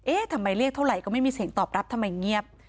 ทำไมเรียกเท่าไหร่ก็ไม่มีเสียงตอบรับทำไมเงียบ